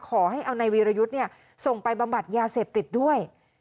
ขอให้เอาในวีรยุทธ์ส่งไปบำบัดยาเสพติดด้วย